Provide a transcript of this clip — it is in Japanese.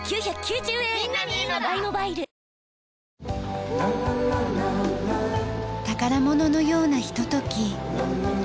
わかるぞ宝物のようなひととき。